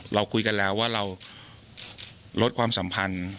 เราคุยกันแล้วว่าเราลดความสัมพันธ์